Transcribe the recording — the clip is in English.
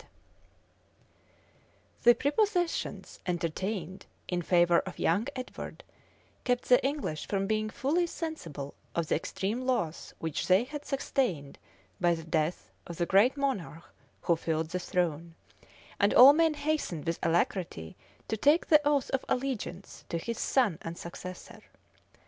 } The prepossessions entertained in favor of young Edward, kept the English from being fully sensible of the extreme loss which they had sustained by the death of the great monarch who filled the throne; and all men hastened with alacrity to take the oath of allegiance to his son and successor.